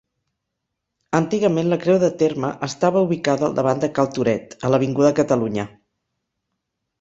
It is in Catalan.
Antigament la creu de terme estava ubicada al davant de Cal Toret, a l'avinguda Catalunya.